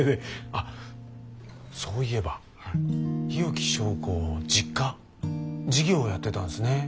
あっそういえば日置昭子の実家事業をやってたんですね。